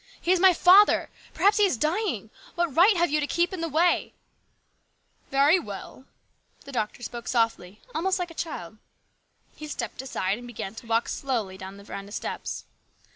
" He is my father ! Perhaps he is dying ! What right have you to keep in the way ?"" Very well !" The doctor spoke softly, almost like a child. He stepped aside and began to walk slowly down the veranda steps.